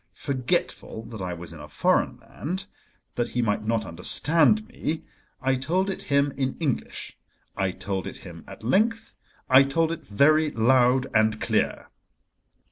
Forgetful that I was in a foreign land—that he might not understand me—I told it him in English, I told it him at length, I told it very loud and clear.